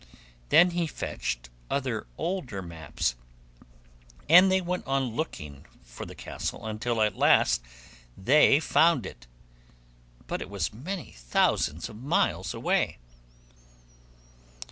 Then he fetched other older maps, and they went on looking for the castle until at last they found it, but it was many thousand miles away.